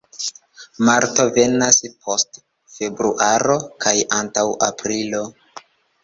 Marto venas post februaro kaj antaŭ aprilo.